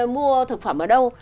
mua thực phẩm ở đâu